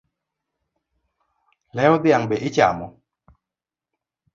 Lew dhiang’ be ichamo?